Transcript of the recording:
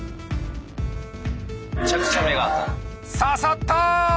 刺さった！